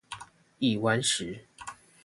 已完食